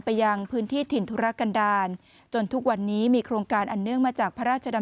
ไปยังพื้นที่ถิ่นธุรากัณฑาลจนทุกวันนี้มีครองการอันเนื่องมาจาก